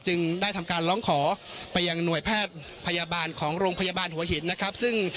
จึงได้ทำการร้องขอไปยังหน่วยแพทย์พยาบาลของโรงพยาบาลหัวหินนะครับซึ่ง